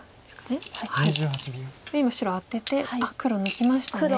今白アテて黒抜きましたね。